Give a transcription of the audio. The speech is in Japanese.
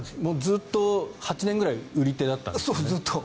ずっと８年ぐらい売り手だったんですよね。